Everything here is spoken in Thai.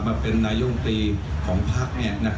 มาเป็นนายกรัฐมนตรีของพัก